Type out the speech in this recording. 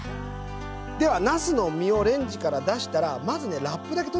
ではなすの身をレンジから出したらまずねラップだけ取っちゃいましょう。